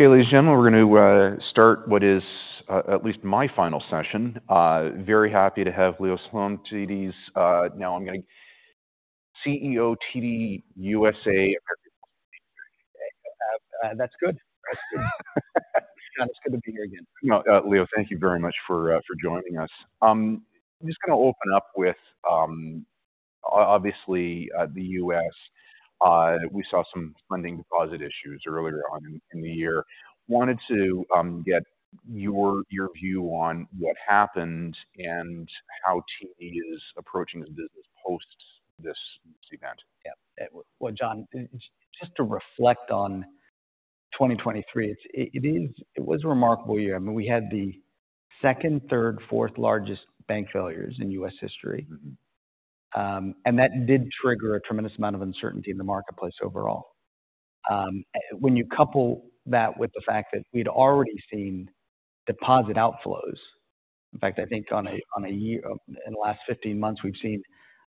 Okay, ladies and gentlemen, we're going to start what is at least my final session. Very happy to have Leo Salom, CEO, TD USA. That's good. It's good to be here again. Well, Leo, thank you very much for joining us. I'm just gonna open up with, obviously, the U.S. We saw some funding deposit issues earlier on in the year. Wanted to get your view on what happened and how TD is approaching this business post this event. Yeah. Well, John, just to reflect on 2023, it was a remarkable year. I mean, we had the 2nd, 3th, 4th largest bank failures in U.S. history. Mm-hmm. And that did trigger a tremendous amount of uncertainty in the marketplace overall. When you couple that with the fact that we'd already seen deposit outflows, in fact, I think in the last 15 months, we've seen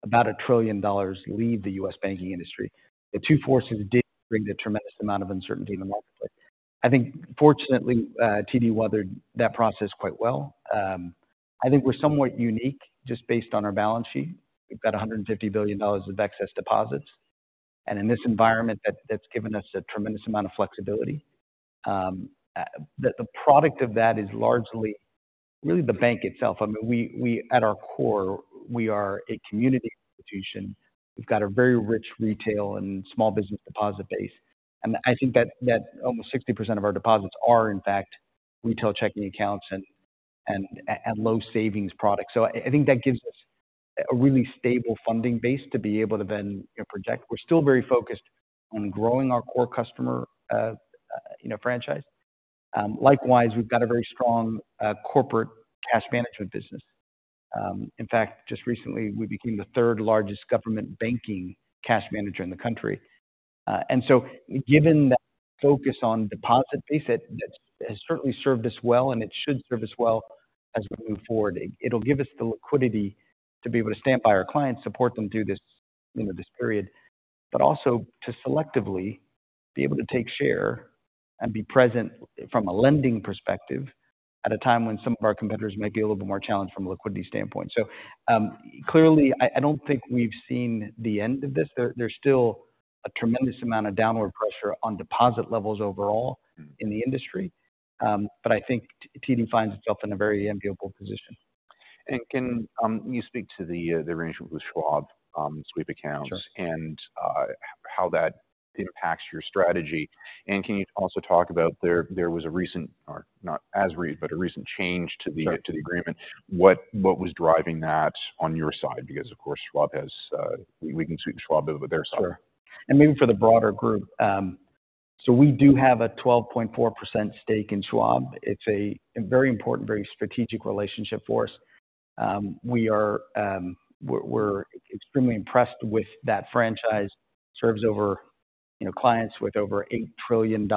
about $1 trillion leave the U.S. banking industry. The two forces did bring a tremendous amount of uncertainty in the marketplace. I think fortunately, TD weathered that process quite well. I think we're somewhat unique just based on our balance sheet. We've got $150 billion of excess deposits, and in this environment, that's given us a tremendous amount of flexibility. The product of that is largely really the bank itself. I mean, we, we at our core, we are a community institution. We've got a very rich retail and small business deposit base, and I think that almost 60% of our deposits are, in fact, retail checking accounts and low savings products. So I think that gives us a really stable funding base to be able to then project. We're still very focused on growing our core customer, you know, franchise. Likewise, we've got a very strong corporate cash management business. In fact, just recently, we became the third largest government banking cash manager in the country. And so given that focus on deposit base, that has certainly served us well, and it should serve us well as we move forward. It'll give us the liquidity to be able to stand by our clients, support them through this, you know, this period, but also to selectively be able to take share and be present from a lending perspective, at a time when some of our competitors may be a little bit more challenged from a liquidity standpoint. So, clearly, I don't think we've seen the end of this. There's still a tremendous amount of downward pressure on deposit levels overall- Mm-hmm. -in the industry. But I think TD finds itself in a very enviable position. Can you speak to the arrangement with Schwab, sweep accounts? Sure. And how that impacts your strategy? And can you also talk about there was a recent, or not as recent, but a recent change to the- Sure. -to the agreement. What, what was driving that on your side? Because, of course, Schwab has, we can sweep Schwab over their side. Sure. Maybe for the broader group. So we do have a 12.4% stake in Schwab. It's a very important, very strategic relationship for us. We're extremely impressed with that franchise. Serves over, you know, clients with over $8 trillion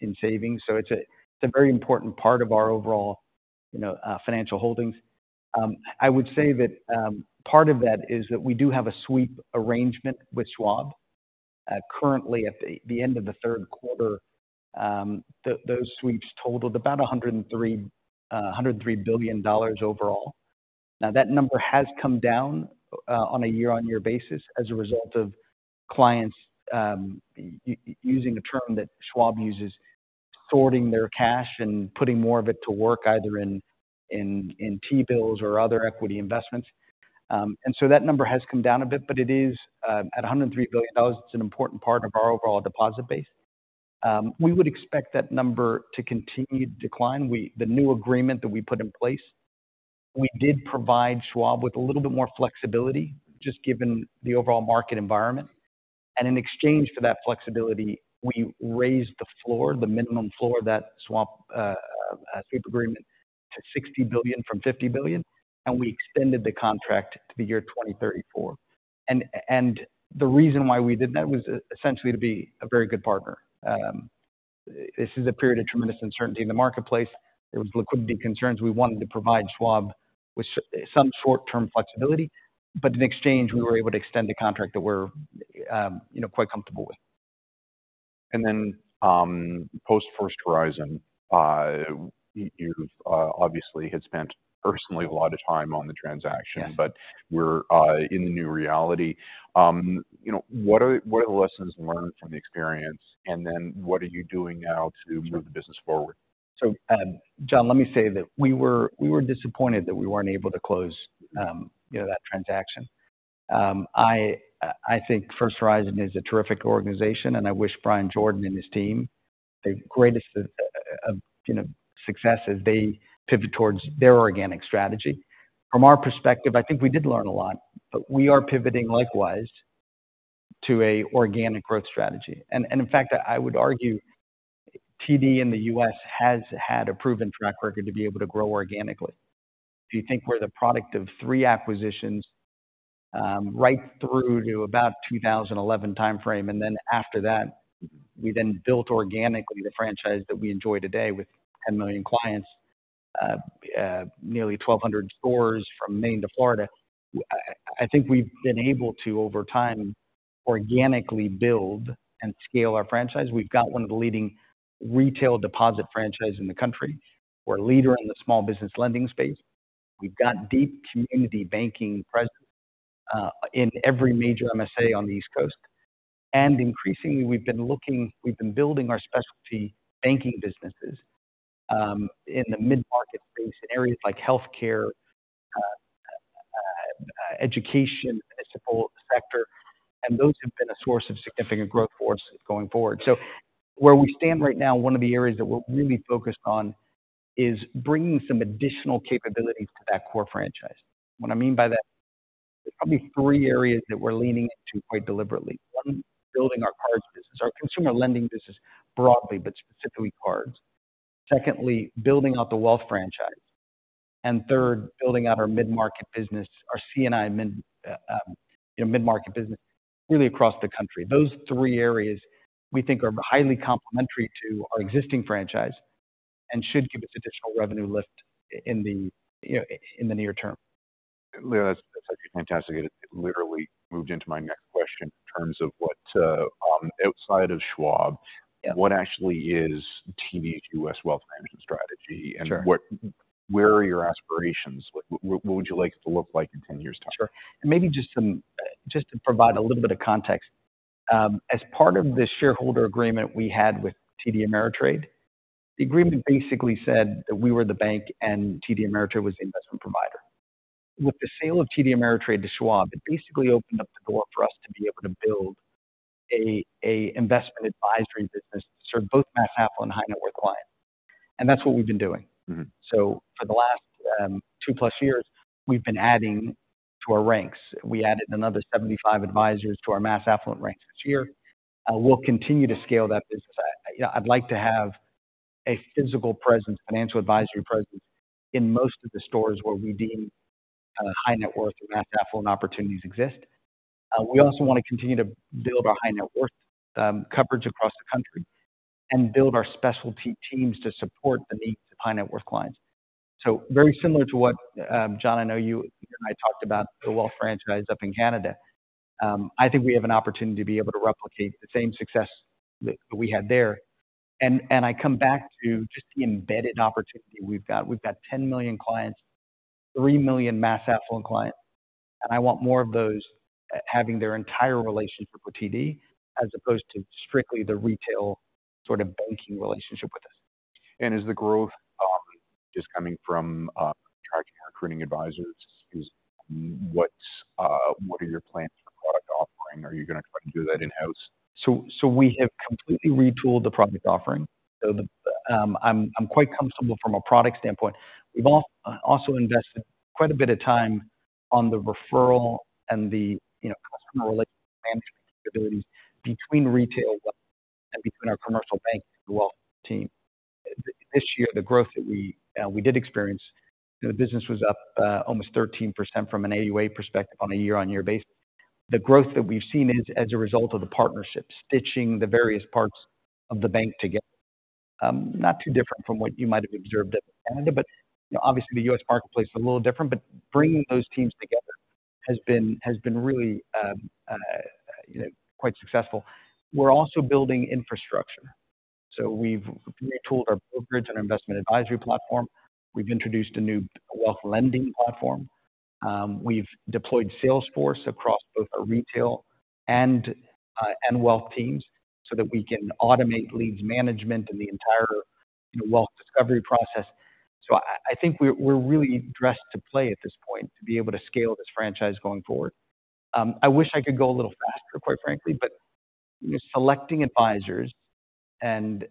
in savings. So it's a very important part of our overall, you know, financial holdings. I would say that, part of that is that we do have a sweep arrangement with Schwab. Currently, at the end of the third quarter, those sweeps totaled about $103 billion overall. Now, that number has come down on a year-over-year basis as a result of clients using a term that Schwab uses, sorting their cash and putting more of it to work, either in T-bills or other equity investments. And so that number has come down a bit, but it is at $103 billion; it's an important part of our overall deposit base. We would expect that number to continue to decline. The new agreement that we put in place, we did provide Schwab with a little bit more flexibility, just given the overall market environment. And in exchange for that flexibility, we raised the floor, the minimum floor, that Schwab sweep agreement to $60 billion from $50 billion, and we extended the contract to the year 2034. The reason why we did that was essentially to be a very good partner. This is a period of tremendous uncertainty in the marketplace. There was liquidity concerns. We wanted to provide Schwab with some short-term flexibility, but in exchange, we were able to extend the contract that we're, you know, quite comfortable with. And then, post First Horizon, you've obviously had spent personally a lot of time on the transaction. Yes. But we're in the new reality. You know, what are the lessons learned from the experience, and then what are you doing now to move the business forward? So, John, let me say that we were disappointed that we weren't able to close, you know, that transaction. I think First Horizon is a terrific organization, and I wish Bryan Jordan and his team the greatest of, you know, success as they pivot towards their organic strategy. From our perspective, I think we did learn a lot, but we are pivoting likewise to a organic growth strategy. And in fact, I would argue TD in the U.S. has had a proven track record to be able to grow organically. If you think we're the product of three acquisitions, right through to about 2011 timeframe, and then after that, we then built organically the franchise that we enjoy today with 10 million clients, nearly 1,200 stores from Maine to Florida. I think we've been able to, over time, organically build and scale our franchise. We've got one of the leading retail deposit franchise in the country. We're a leader in the small business lending space. We've got deep community banking presence in every major MSA on the East Coast. And increasingly, we've been building our specialty banking businesses in the mid-market space, in areas like healthcare, education, municipal sector, and those have been a source of significant growth for us going forward. So where we stand right now, one of the areas that we're really focused on is bringing some additional capabilities to that core franchise. What I mean by that, there's probably three areas that we're leaning into quite deliberately. One, building our cards business, our consumer lending business broadly, but specifically cards. Secondly, building out the wealth franchise. And third, building out our mid-market business, our C&I, you know, mid-market business, really across the country. Those three areas we think are highly complementary to our existing franchise and should give us additional revenue lift in the, you know, in the near term. Leo, that's, that's actually fantastic, and it literally moved into my next question in terms of what, outside of Schwab- Yeah. What actually is TD's U.S wealth management strategy? Sure. And what... where are your aspirations? What would you like it to look like in 10 years' time? Sure. And maybe just some. Just to provide a little bit of context, as part of the shareholder agreement we had with TD Ameritrade, the agreement basically said that we were the bank and TD Ameritrade was the investment provider. With the sale of TD Ameritrade to Schwab, it basically opened up the door for us to be able to build a investment advisory business to serve both mass affluent and high-net-worth clients. And that's what we've been doing. Mm-hmm. So for the last 2+ years, we've been adding to our ranks. We added another 75 advisors to our mass affluent ranks this year. We'll continue to scale that business. I, I, you know, I'd like to have a physical presence, financial advisory presence in most of the stores where we deem high-net-worth and mass affluent opportunities exist. We also want to continue to build our high-net-worth coverage across the country and build our specialty teams to support the needs of high-net-worth clients. So very similar to what John, I know you and I talked about the wealth franchise up in Canada. I think we have an opportunity to be able to replicate the same success that we had there. And, and I come back to just the embedded opportunity we've got. We've got 10 million clients, 3 million mass affluent clients, and I want more of those, having their entire relationship with TD, as opposed to strictly the retail sort of banking relationship with us. Is the growth just coming from attracting and recruiting advisors? What are your plans for product offering? Are you going to try to do that in-house? So we have completely retooled the product offering. I'm quite comfortable from a product standpoint. We've also invested quite a bit of time on the referral and the, you know, customer relationship management capabilities between retail wealth and between our commercial bank and the wealth team. This year, the growth that we did experience, the business was up almost 13% from an AUA perspective on a year-on-year basis. The growth that we've seen is as a result of the partnerships, stitching the various parts of the bank together. Not too different from what you might have observed at Canada, but, you know, obviously, the U.S. marketplace is a little different, but bringing those teams together has been really, you know, quite successful. We're also building infrastructure. So we've retooled our brokerage and investment advisory platform. We've introduced a new wealth lending platform. We've deployed Salesforce across both our retail and wealth teams so that we can automate leads management and the entire, you know, wealth discovery process. So I think we're really dressed to play at this point, to be able to scale this franchise going forward. I wish I could go a little faster, quite frankly, but, you know, selecting advisors and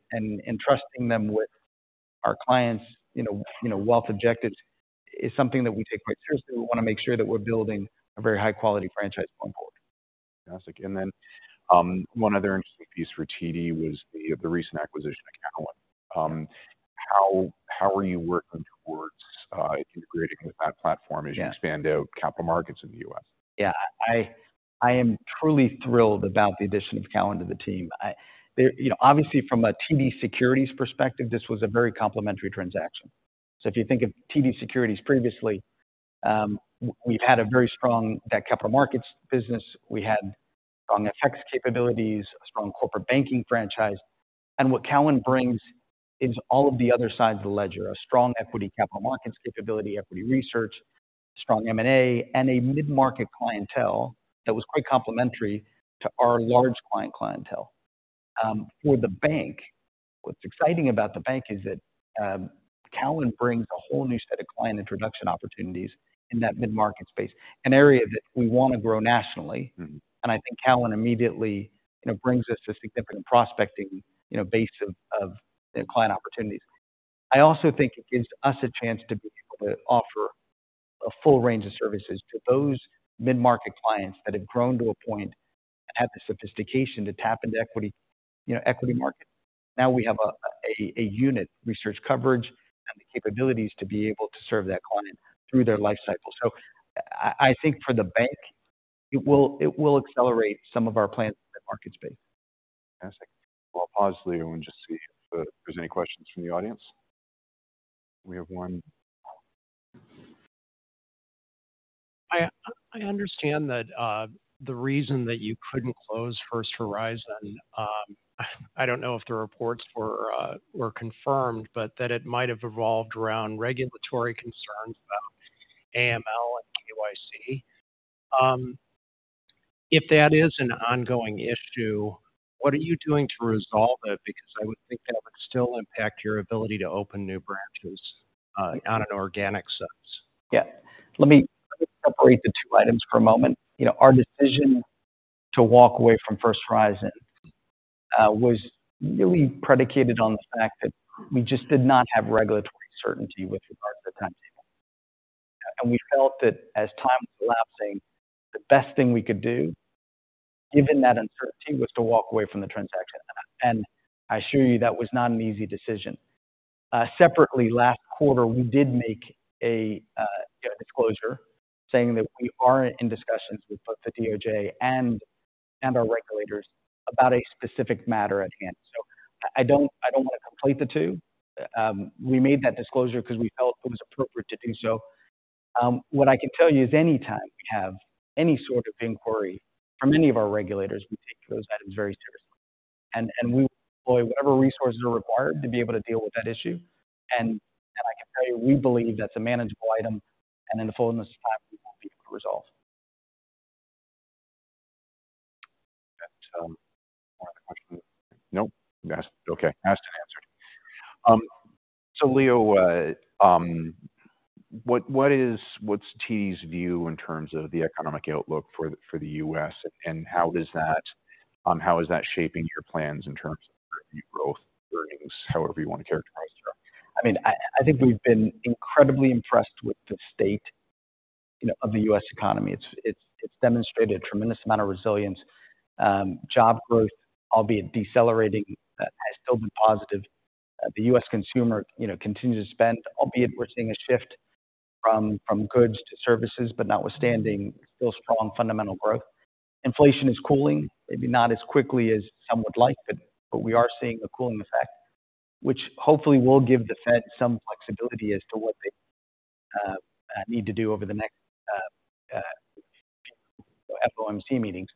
trusting them with our clients', you know, wealth objectives is something that we take quite seriously. We want to make sure that we're building a very high-quality franchise going forward. Fantastic. And then, one other interesting piece for TD was the recent acquisition of Cowen. How are you working towards integrating with that platform- Yeah. -as you expand out capital markets in the U.S.? Yeah. I am truly thrilled about the addition of Cowen to the team. You know, obviously, from a TD Securities perspective, this was a very complementary transaction. So if you think of TD Securities previously, we've had a very strong debt capital markets business. We had strong FX capabilities, a strong corporate banking franchise, and what Cowen brings is all of the other sides of the ledger. A strong equity capital markets capability, equity research, strong M&A, and a mid-market clientele that was quite complementary to our large client clientele. For the bank, what's exciting about the bank is that Cowen brings a whole new set of client introduction opportunities in that mid-market space, an area that we want to grow nationally. Mm-hmm. I think Cowen immediately, you know, brings us a significant prospecting, you know, base of client opportunities. I also think it gives us a chance to be able to offer a full range of services to those mid-market clients that have grown to a point, have the sophistication to tap into equity, you know, equity market. Now we have a unit, research coverage, and the capabilities to be able to serve that client through their life cycle. So I think for the bank, it will accelerate some of our plans in the market space.... Fantastic. Well, I'll pause, Leo, and just see if there's any questions from the audience. We have one. I understand that the reason that you couldn't close First Horizon. I don't know if the reports were confirmed, but that it might have revolved around regulatory concerns about AML and KYC. If that is an ongoing issue, what are you doing to resolve it? Because I would think that would still impact your ability to open new branches on an organic sense. Yeah. Let me separate the two items for a moment. You know, our decision to walk away from First Horizon was really predicated on the fact that we just did not have regulatory certainty with regard to the timetable. And we felt that as time was lapsing, the best thing we could do, given that uncertainty, was to walk away from the transaction. And I assure you, that was not an easy decision. Separately, last quarter, we did make a, you know, a disclosure saying that we are in discussions with both the DOJ and our regulators about a specific matter at hand. So I don't want to complete the two. We made that disclosure because we felt it was appropriate to do so. What I can tell you is anytime we have any sort of inquiry from any of our regulators, we take those items very seriously. And we employ whatever resources are required to be able to deal with that issue. And I can tell you, we believe that's a manageable item, and in the fullness of time, we will be able to resolve. More of the question. Nope. Okay, asked and answered. So Leo, what, what is—what's TD's view in terms of the economic outlook for the U.S., and how is that shaping your plans in terms of your growth, earnings, however you want to characterize it? I mean, I think we've been incredibly impressed with the state, you know, of the U.S. economy. It's demonstrated a tremendous amount of resilience. Job growth, albeit decelerating, has still been positive. The U.S. consumer, you know, continues to spend, albeit we're seeing a shift from goods to services, but notwithstanding, still strong fundamental growth. Inflation is cooling, maybe not as quickly as some would like, but we are seeing a cooling effect, which hopefully will give the Fed some flexibility as to what they need to do over the next FOMC meetings.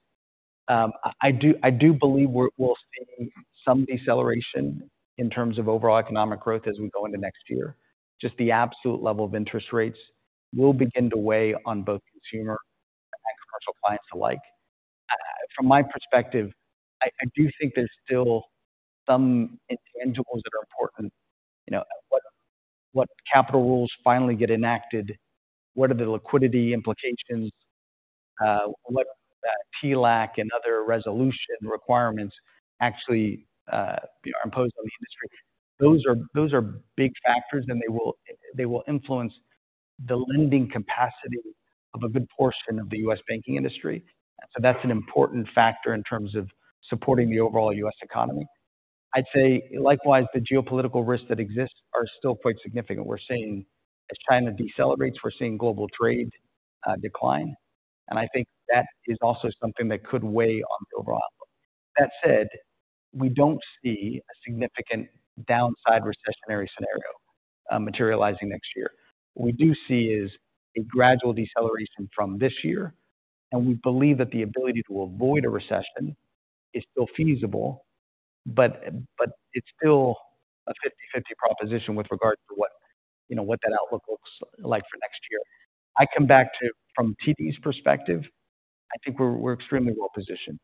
I do believe we'll see some deceleration in terms of overall economic growth as we go into next year. Just the absolute level of interest rates will begin to weigh on both consumer and commercial clients alike. From my perspective, I do think there's still some intangibles that are important. You know, what capital rules finally get enacted? What are the liquidity implications? What TLAC and other resolution requirements actually are imposed on the industry? Those are big factors, and they will influence the lending capacity of a good portion of the U.S. banking industry. So that's an important factor in terms of supporting the overall U.S. economy. I'd say, likewise, the geopolitical risks that exist are still quite significant. We're seeing, as China decelerates, we're seeing global trade decline, and I think that is also something that could weigh on the overall. That said, we don't see a significant downside recessionary scenario materializing next year. What we do see is a gradual deceleration from this year, and we believe that the ability to avoid a recession is still feasible, but it's still a 50/50 proposition with regard to what, you know, what that outlook looks like for next year. I come back to, from TD's perspective, I think we're extremely well positioned.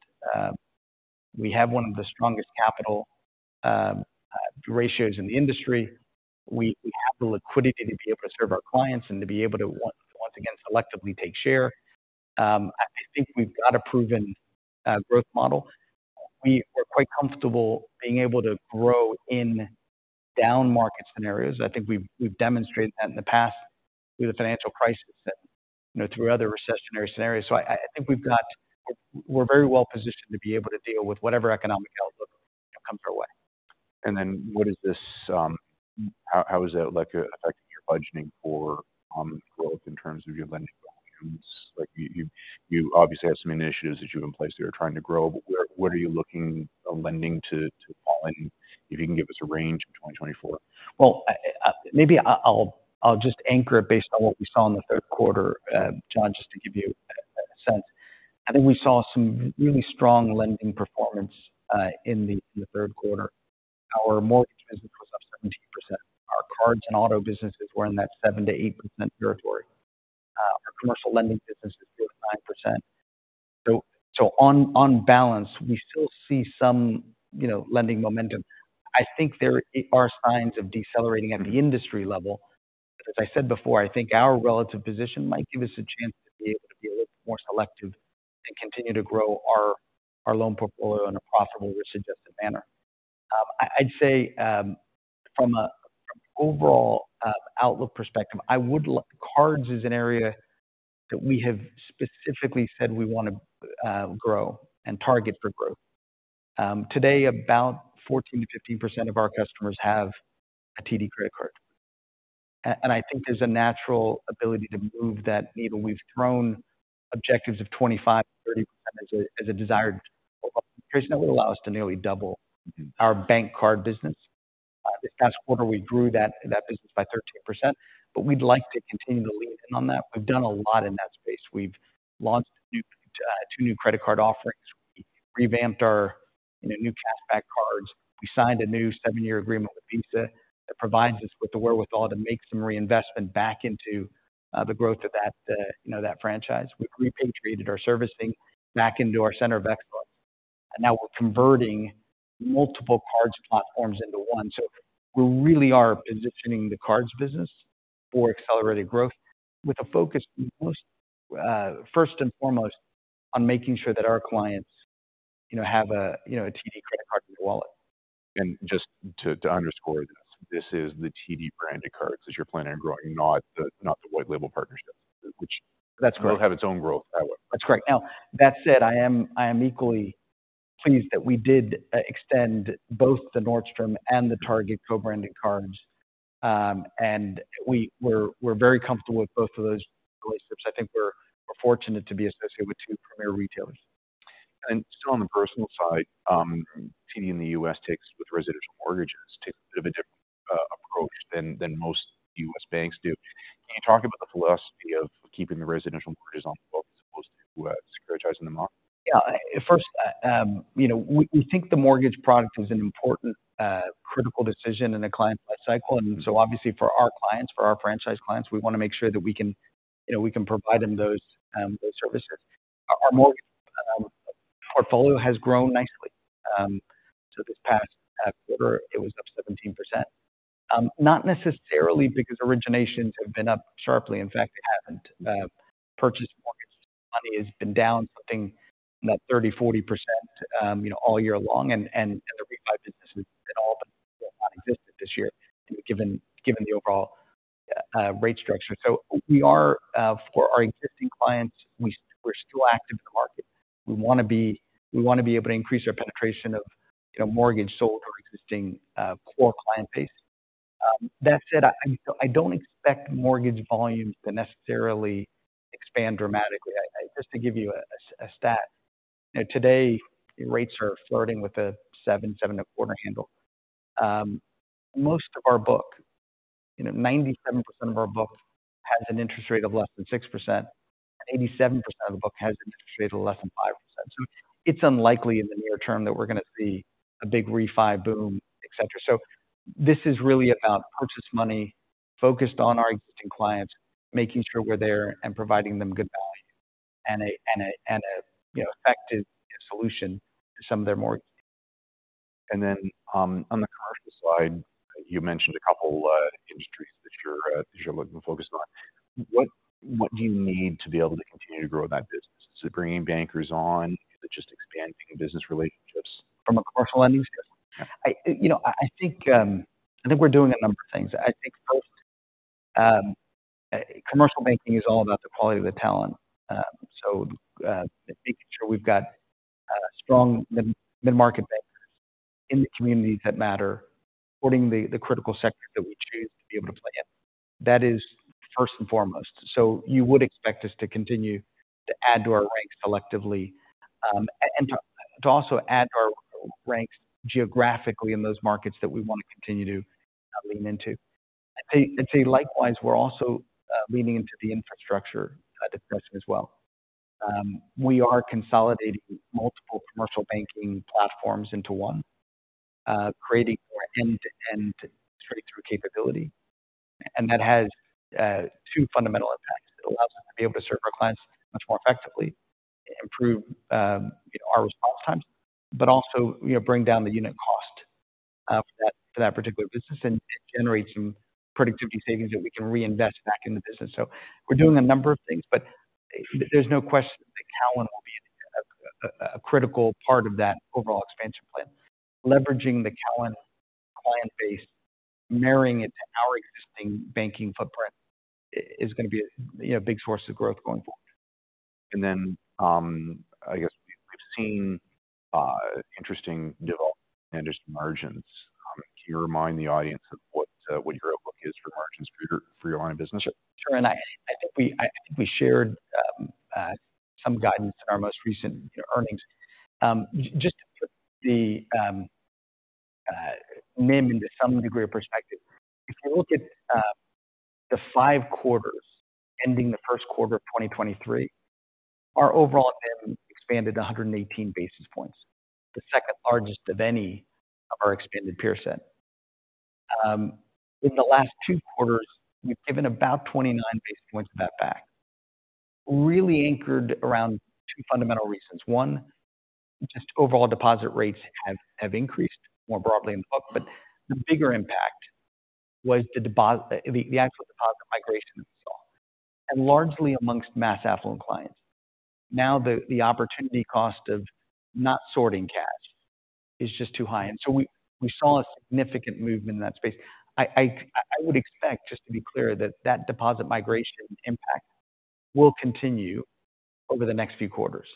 We have one of the strongest capital ratios in the industry. We have the liquidity to be able to serve our clients and to be able to, once again, selectively take share. I think we've got a proven growth model. We are quite comfortable being able to grow in down market scenarios. I think we've demonstrated that in the past, through the financial crisis, you know, through other recessionary scenarios. So, I think we're very well positioned to be able to deal with whatever economic outlook comes our way. Then what is this, how is that, like, affecting your budgeting for growth in terms of your lending volumes? Like, you obviously have some initiatives that you have in place that you're trying to grow, but what are you looking for lending to fall, and if you can give us a range for 2024? Well, maybe I'll just anchor it based on what we saw in the third quarter, John, just to give you a sense. I think we saw some really strong lending performance in the third quarter. Our mortgage business was up 17%. Our cards and auto businesses were in that 7%-8% territory. Our commercial lending business is still at 9%. So on balance, we still see some, you know, lending momentum. I think there are signs of decelerating at the industry level, but as I said before, I think our relative position might give us a chance to be able to be a little more selective and continue to grow our loan portfolio in a profitable risk-adjusted manner. I'd say from overall outlook perspective, cards is an area that we have specifically said we want to grow and target for growth. Today, about 14%-15% of our customers have a TD credit card. And I think there's a natural ability to move that needle. We've thrown objectives of 25%-30% as a desired result. That would allow us to nearly double our bank card business. This past quarter, we grew that business by 13%, but we'd like to continue to lean in on that. We've done a lot in that space. We've launched 2 new credit card offerings. We revamped our, you know, new cashback cards. We signed a new seven-year agreement with Visa that provides us with the wherewithal to make some reinvestment back into the growth of that, you know, that franchise. We've repatriated our servicing back into our center of excellence, and now we're converting multiple cards platforms into one. So we really are positioning the cards business for accelerated growth with a focus, first and foremost, on making sure that our clients, you know, have a, you know, a TD credit card in their wallet. And just to underscore this, this is the TD branded cards that you're planning on growing, not the white label partnership, which- That's correct. Will have its own growth that way. That's correct. Now, that said, I am equally pleased that we did extend both the Nordstrom and the Target co-branded cards. And we're very comfortable with both of those relationships. I think we're fortunate to be associated with two premier retailers. And still on the personal side, TD in the US takes a bit of a different approach with residential mortgages than most US banks do. Can you talk about the philosophy of keeping the residential mortgages on the book as opposed to securitizing them off? Yeah. First, you know, we think the mortgage product is an important, critical decision in the client life cycle. And so obviously for our clients, for our franchise clients, we want to make sure that we can, you know, we can provide them those services. Our mortgage portfolio has grown nicely. So this past quarter, it was up 17%. Not necessarily because originations have been up sharply. In fact, they haven't. Purchase mortgage money has been down something about 30%-40%, you know, all year long, and the refi business has been all but non-existent this year, given the overall rate structure. So we are for our existing clients, we're still active in the market. We want to be able to increase our penetration of, you know, mortgage sold to our existing core client base. That said, I don't expect mortgage volumes to necessarily expand dramatically. Just to give you a stat, you know, today, rates are flirting with a seven-7.25 handle. Most of our book, you know, 97% of our book has an interest rate of less than 6%. 87% of the book has an interest rate of less than 5%. So it's unlikely in the near term that we're going to see a big refi boom, et cetera. So this is really about purchase money focused on our existing clients, making sure we're there and providing them good value and a, you know, effective solution to some of their mortgage. And then, on the commercial slide, you mentioned a couple industries that you're looking to focus on. What do you need to be able to continue to grow that business? Is it bringing bankers on, is it just expanding business relationships? From a commercial lending perspective? Yeah. You know, I think we're doing a number of things. I think commercial banking is all about the quality of the talent. So, making sure we've got strong mid-market bankers in the communities that matter, supporting the critical sectors that we choose to be able to play in. That is first and foremost. So you would expect us to continue to add to our ranks selectively, and to also add to our ranks geographically in those markets that we want to continue to lean into. I'd say likewise, we're also leaning into the infrastructure discussion as well. We are consolidating multiple commercial banking platforms into one, creating more end-to-end straight-through capability. And that has two fundamental impacts. It allows us to be able to serve our clients much more effectively, improve our response times, but also, you know, bring down the unit cost for that particular business and generate some productivity savings that we can reinvest back in the business. So we're doing a number of things, but there's no question that Cowen will be a critical part of that overall expansion plan. Leveraging the Cowen client base, marrying it to our existing banking footprint, is going to be a, you know, big source of growth going forward. Then, I guess we've seen interesting developments in just margins. Can you remind the audience of what your outlook is for margins for your line of business? Sure, and I think we shared some guidance in our most recent earnings. Just to put the NIM into some degree of perspective. If you look at the five quarters ending the first quarter of 2023, our overall NIM expanded 118 basis points, the second largest of any of our expanded peer set. In the last two quarters, we've given about 29 basis points of that back, really anchored around two fundamental reasons. One, just overall deposit rates have increased more broadly in the book, but the bigger impact was the deposit migration that we saw, and largely amongst mass affluent clients. Now, the opportunity cost of not storing cash is just too high, and so we saw a significant movement in that space. I would expect, just to be clear, that that deposit migration impact will continue over the next few quarters.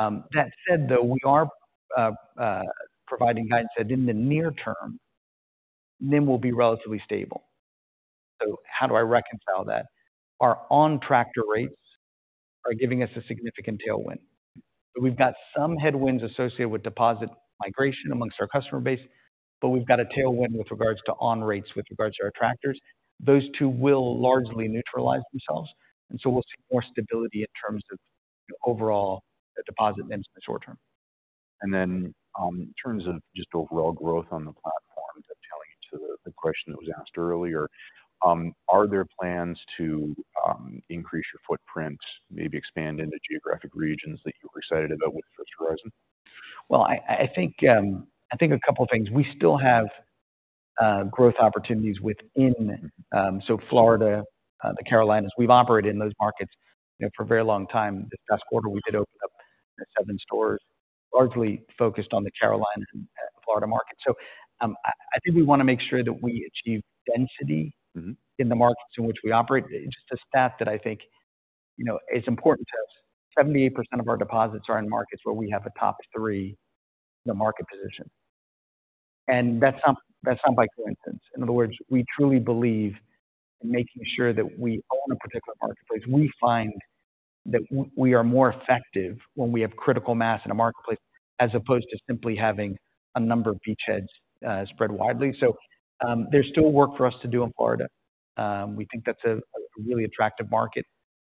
That said, though, we are providing guidance that in the near term, NIM will be relatively stable. So how do I reconcile that? Our on-tractor rates are giving us a significant tailwind. So we've got some headwinds associated with deposit migration among our customer base, but we've got a tailwind with regards to on rates with regards to our tractors. Those two will largely neutralize themselves, and so we'll see more stability in terms of overall deposit NIMs in the short term. And then, in terms of just overall growth on the platform, to tally to the question that was asked earlier, are there plans to increase your footprint, maybe expand into geographic regions that you're excited about with First Horizon? Well, I think a couple of things. We still have growth opportunities within so Florida, the Carolinas. We've operated in those markets, you know, for a very long time. This past quarter, we did open up seven stores, largely focused on the Carolina and Florida market. So, I think we wanna make sure that we achieve density- Mm-hmm. In the markets in which we operate. It's just a stat that I think, you know, it's important to us. 78% of our deposits are in markets where we have a top three in the market position. And that's not, that's not by coincidence. In other words, we truly believe in making sure that we own a particular marketplace. We find that we are more effective when we have critical mass in a marketplace, as opposed to simply having a number of beachheads, spread widely. So, there's still work for us to do in Florida. We think that's a really attractive market,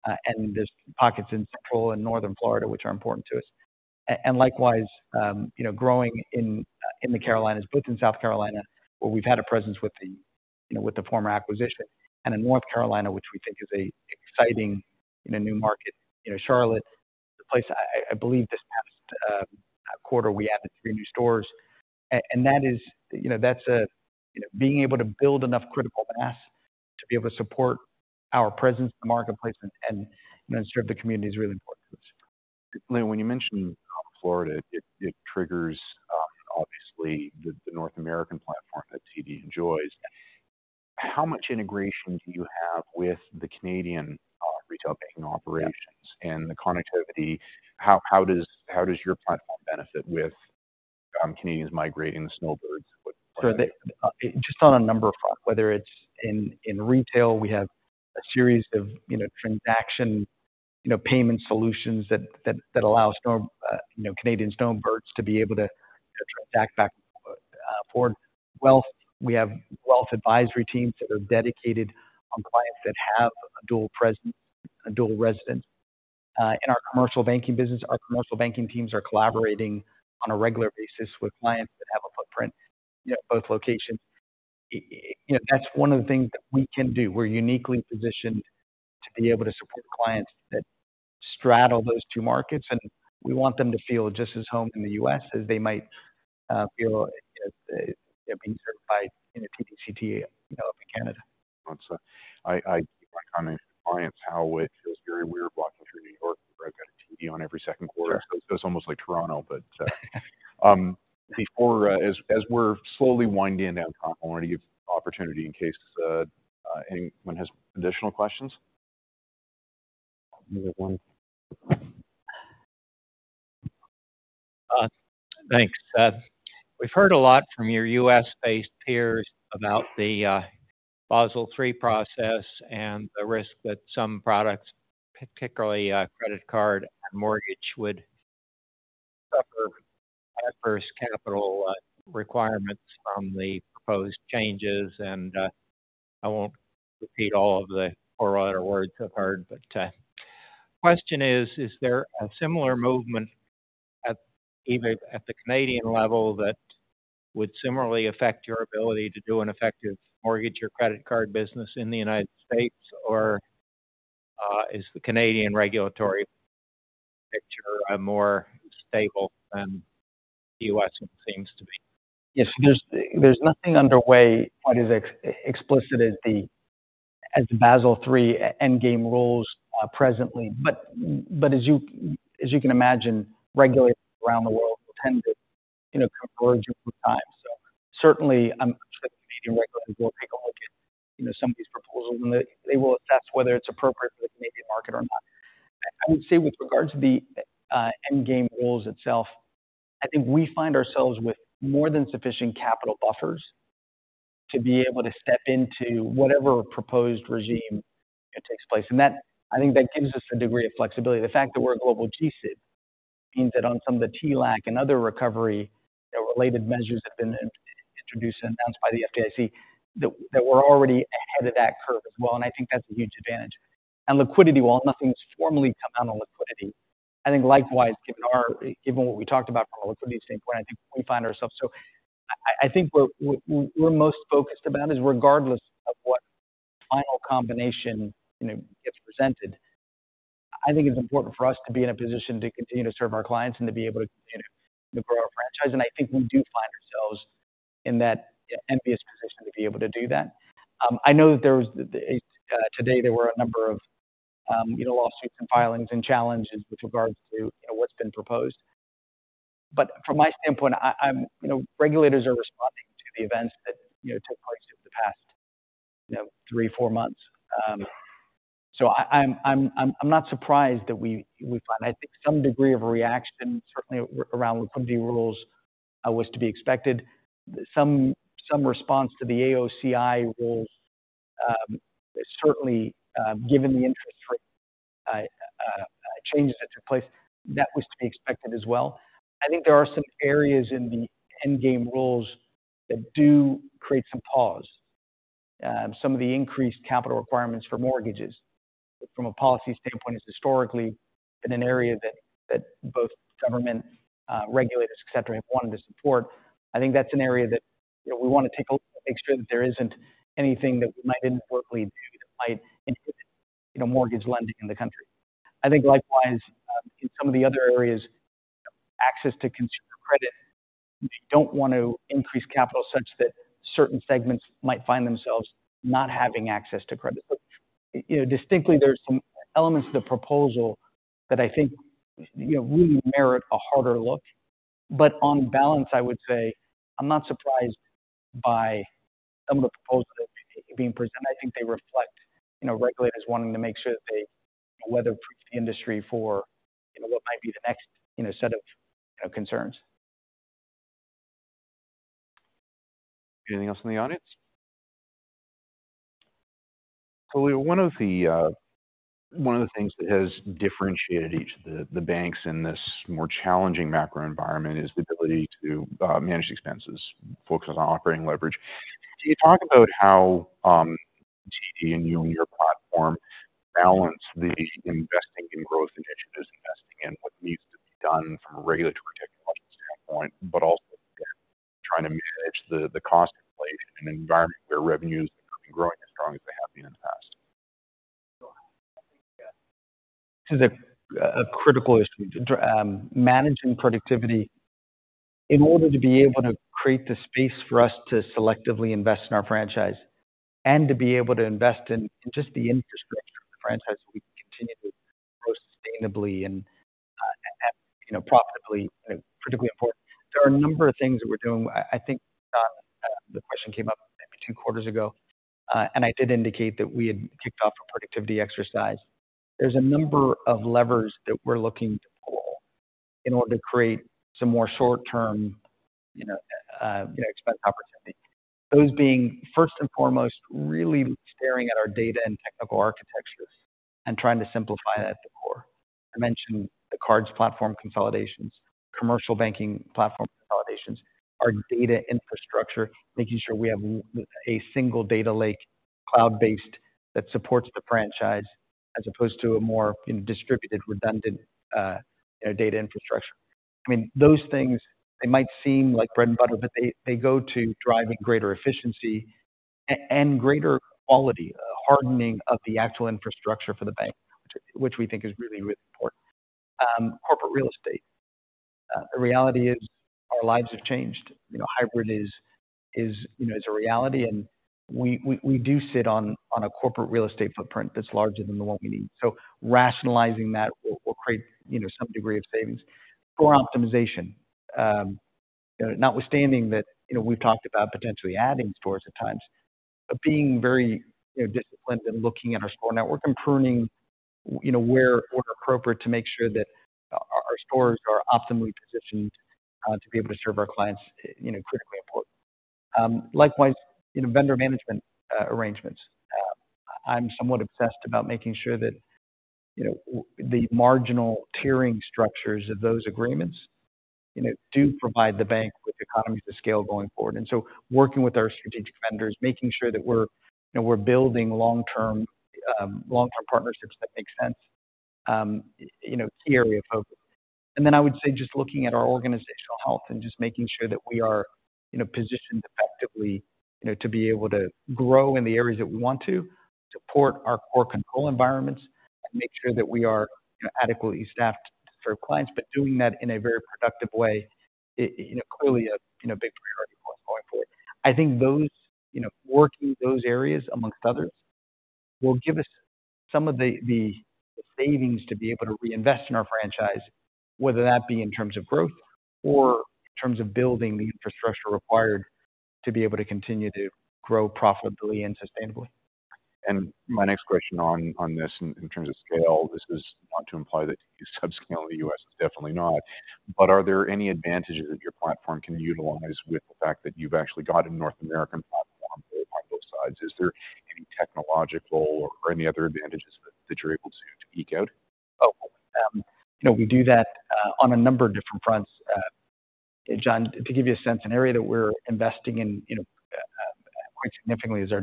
and there's pockets in Central and Northern Florida which are important to us. And likewise, you know, growing in the Carolinas, both in South Carolina, where we've had a presence with the, you know, with the former acquisition, and in North Carolina, which we think is a exciting, in a new market. You know, Charlotte, the place I believe this past quarter, we added three new stores. And that is, you know, that's a... You know, being able to build enough critical mass to be able to support our presence in the marketplace and serve the community is really important to us. When you mention Florida, it triggers, obviously, the North American platform that TD enjoys. How much integration do you have with the Canadian retail banking operations- Yeah. and the connectivity? How does your platform benefit with Canadians migrating, the snowbirds, what- So the, just on a number of fronts, whether it's in retail, we have a series of, you know, transaction, you know, payment solutions that allow snow, you know, Canadian snowbirds to be able to, you know, transact back, forward. Wealth, we have wealth advisory teams that are dedicated on clients that have a dual presence, a dual residence. In our commercial banking business, our commercial banking teams are collaborating on a regular basis with clients that have a footprint in both locations. You know, that's one of the things that we can do. We're uniquely positioned to be able to support clients that straddle those two markets, and we want them to feel just as home in the U.S. as they might feel as, you know, being served by, in a TD Canada Trust, you know, up in Canada. My kind of clients, how it feels very weird walking through New York, where I've got a TD on every second quarter. Sure. Feels almost like Toronto, but before, as we're slowly winding down, I want to give the opportunity in case anyone has additional questions. You have one. Thanks. We've heard a lot from your U.S.-based peers about the Basel III process and the risk that some products, particularly credit card and mortgage, would suffer adverse capital requirements from the proposed changes. And I won't repeat all of the four letter words I've heard, but question is: Is there a similar movement at either at the Canadian level that would similarly affect your ability to do an effective mortgage or credit card business in the United States? Or is the Canadian regulatory picture more stable than the U.S. seems to be? Yes, there's nothing underway quite as explicit as the Basel III Endgame rules, presently. But as you can imagine, regulators around the world tend to, you know, converge over time. So certainly, I'm sure the Canadian regulators will take a look at, you know, some of these proposals, and they will assess whether it's appropriate for the Canadian market or not. I would say with regards to the endgame rules itself, I think we find ourselves with more than sufficient capital buffers to be able to step into whatever proposed regime that takes place. And that, I think that gives us a degree of flexibility. The fact that we're a global G-SIB means that on some of the TLAC and other recovery, you know, related measures have been introduced and announced by the FDIC, that we're already ahead of that curve as well, and I think that's a huge advantage. And liquidity, while nothing's formally come out on liquidity, I think likewise, given what we talked about from a liquidity standpoint, I think we find ourselves... So I think what we're most focused about is regardless of what final combination, you know, gets presented, I think it's important for us to be in a position to continue to serve our clients and to be able to, you know, to grow our franchise. And I think we do find ourselves in that envious position to be able to do that. I know that today there were a number of, you know, lawsuits and filings and challenges with regards to, you know, what's been proposed. But from my standpoint, you know, regulators are responding to the events that, you know, took place over the past, you know, three, four months. So I'm not surprised that I think some degree of reaction, certainly around liquidity rules, was to be expected. Some response to the AOCI rules, certainly, given the interest rate changes that took place, that was to be expected as well. I think there are some areas in the endgame rules that do create some pause. Some of the increased capital requirements for mortgages from a policy standpoint, has historically been an area that, that both government, regulators, et cetera, have wanted to support. I think that's an area that, you know, we want to take a look to make sure that there isn't anything that we might inadvertently do that might impact, you know, mortgage lending in the country. I think likewise, in some of the other areas, access to consumer credit, we don't want to increase capital such that certain segments might find themselves not having access to credit. But, you know, distinctly, there are some elements of the proposal that I think, you know, really merit a harder look. But on balance, I would say I'm not surprised by some of the proposals that are being presented. I think they reflect, you know, regulators wanting to make sure that they weather-proof the industry for, you know, what might be the next, you know, set of concerns. Anything else from the audience? So one of the things that has differentiated each of the banks in this more challenging macro environment is the ability to manage expenses, focus on operating leverage. Can you talk about how TD and you and your platform balance the investing in growth initiatives, investing in what needs to be done from a regulatory technological standpoint, but also trying to manage the cost in place in an environment where revenues aren't growing as strong as they have been in the past? This is a critical issue. Managing productivity in order to be able to create the space for us to selectively invest in our franchise and to be able to invest in just the infrastructure of the franchise, we continue to grow sustainably and, you know, profitably, critically important. There are a number of things that we're doing. I think the question came up maybe two quarters ago, and I did indicate that we had kicked off a productivity exercise. There's a number of levers that we're looking to pull in order to create some more short-term, you know, expense opportunity. Those being first and foremost, really staring at our data and technical architectures and trying to simplify that at the core. I mentioned the cards platform consolidations, commercial banking platform consolidations, our data infrastructure, making sure we have a single data lake, cloud-based, that supports the franchise, as opposed to a more distributed, redundant, data infrastructure. I mean, those things, they might seem like bread and butter, but they, they go to driving greater efficiency and greater quality, a hardening of the actual infrastructure for the bank, which we think is really, really important. Corporate real estate. The reality is our lives have changed. You know, hybrid is, is, you know, is a reality, and we, we, we do sit on, on a corporate real estate footprint that's larger than the one we need. So rationalizing that will, will create, you know, some degree of savings. Core optimization. Notwithstanding that, you know, we've talked about potentially adding stores at times, but being very, you know, disciplined and looking at our store network and pruning, you know, where appropriate to make sure that our stores are optimally positioned to be able to serve our clients, you know, critically important. Likewise, you know, vendor management arrangements. I'm somewhat obsessed about making sure that, you know, the marginal tiering structures of those agreements, you know, do provide the bank with economies of scale going forward. And so working with our strategic vendors, making sure that we're, you know, we're building long-term long-term partnerships that make sense, you know, key area of focus. And then I would say, just looking at our organizational health and just making sure that we are, you know, positioned effectively, you know, to be able to grow in the areas that we want to, support our core control environments, and make sure that we are, you know, adequately staffed to serve clients, but doing that in a very productive way, you know, clearly a, you know, big priority going forward. I think those, you know, working those areas, amongst others, will give us some of the, the savings to be able to reinvest in our franchise, whether that be in terms of growth or in terms of building the infrastructure required to be able to continue to grow profitably and sustainably. My next question on, on this, in terms of scale, this is not to imply that you subscale the U.S., it's definitely not. But are there any advantages that your platform can utilize with the fact that you've actually got a North American platform on both sides? Is there any technological or any other advantages that you're able to, to eke out? Oh, you know, we do that on a number of different fronts. John, to give you a sense, an area that we're investing in, you know, quite significantly is our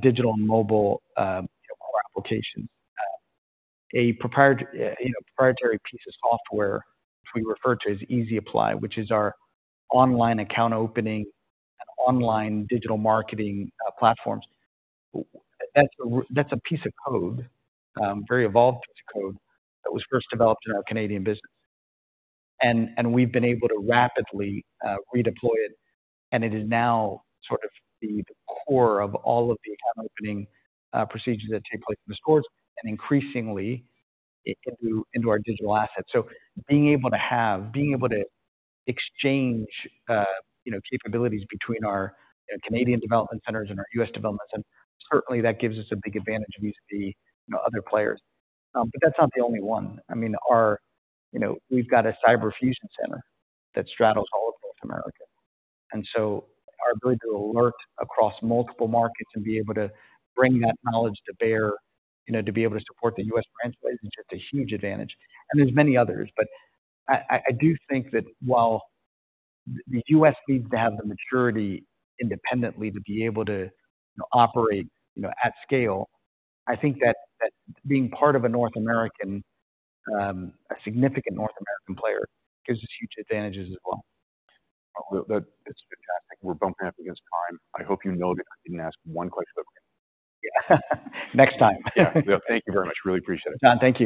digital and mobile applications. A proprietary piece of software, which we refer to as Easy Apply, which is our online account opening and online digital marketing platforms. That's a piece of code, a very evolved piece of code, that was first developed in our Canadian business. And we've been able to rapidly redeploy it, and it is now sort of the core of all of the opening procedures that take place in the stores, and increasingly into our digital assets. So being able to exchange, you know, capabilities between our Canadian development centers and our U.S. development center, certainly that gives us a big advantage against the, you know, other players. But that's not the only one. I mean, you know, we've got a cyber fusion center that straddles all of North America, and so our ability to alert across multiple markets and be able to bring that knowledge to bear, you know, to be able to support the U.S. franchise, is just a huge advantage. And there's many others, but I do think that while the U.S. needs to have the maturity independently to be able to operate, you know, at scale, I think that being part of a North American, a significant North American player, gives us huge advantages as well. Well, that's fantastic. We're bumping up against time. I hope you know that I didn't ask one click-through. Yeah. Next time. Yeah. Thank you very much. Really appreciate it. John, thank you.